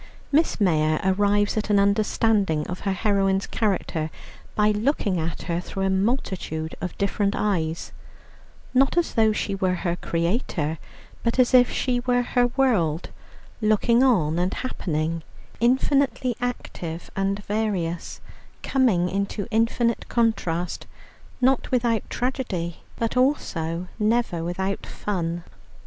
Miss Mayor arrives at an understanding of her heroine's character by looking at her through a multitude of different eyes, not as though she were her creator, but as if she were her world, looking on and happening, infinitely active and various, coming into infinite contrast, not without tragedy, but also never without fun.